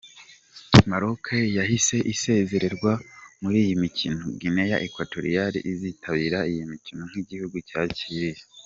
Maroc yahise isezererwa muri iyi mikino, Guinea Equatorial izitabira iyi mikino nk’igihugu cyakiriye.